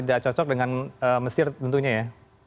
tidak cocok dengan mesir tentunya ya